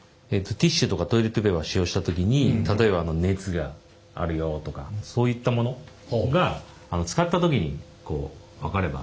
ティッシュとかトイレットペーパーを使用した時に例えば熱があるよとかそういったものが使った時に分かれば面白いんじゃないかなと。